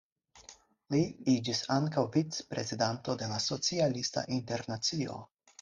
Li iĝis ankaŭ vicprezidanto de la Socialista Internacio.